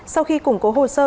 sau khi củng cố hồ sơ